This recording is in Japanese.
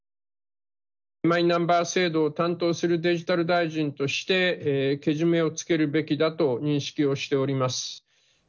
マイナンバー制度を担当するデジタル大臣として、けじめをつけるべきだと認識をしております。